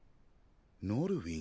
ノルウィン。